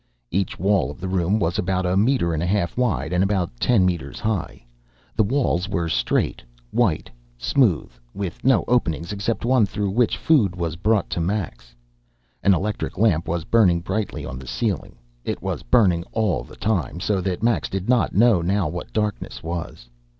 Each wall of the room was about a metre and a half wide and about ten metres high. The walls were straight, white, smooth, with no openings, except one through which food was brought to Max. An electric lamp was burning brightly on the ceiling. It was burning all the time, so that Max did not know now what darkness was.